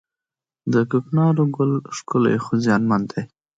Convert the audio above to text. د کوکنارو ګل ښکلی خو زیانمن دی